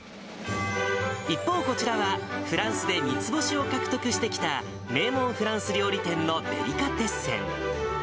一方こちらは、フランスで３つ星を獲得してきた名門フランス料理店のデリカテッセン。